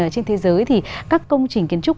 trên thế giới thì các công trình kiến trúc